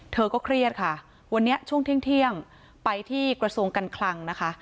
เธอก็เครียดค่ะวันนี้ช่วงเที่ยงไปที่กระทรวงการคลังนะคะ